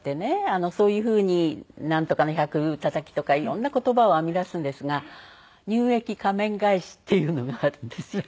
そういうふうになんとかの１００たたきとか色んな言葉を編み出すんですが乳液仮面返しっていうのがあるんですよ。